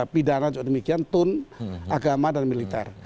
pidana juga demikian tun agama dan militer